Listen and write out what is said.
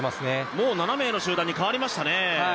もう７名の集団に変わりましたね。